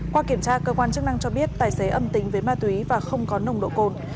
qua kiểm tra cơ quan chức năng cho biết tài xế âm tính với ma túy và không có nồng độ cồn